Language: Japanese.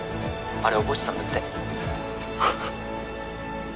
あれ覚えてたんだって。